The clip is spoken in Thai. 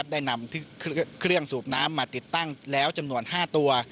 ได้นำเครื่องสูบน้ำมาติดตั้งแล้วจำนวน๕ตัว